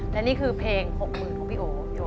และนี่คือเพลง๖๐๐๐ของพี่โอ